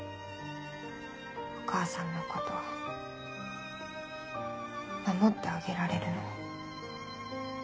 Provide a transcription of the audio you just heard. お母さんのこと守ってあげられるの。